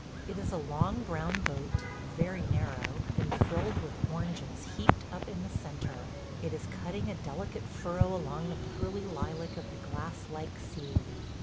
It is a long brown boat, very narrow, and filled with oranges heaped up in the centre. – It is cutting a delicate furrow along the pearly lilac of the glass like sea.